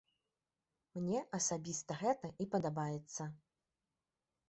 Мне асабіста гэта і падабаецца.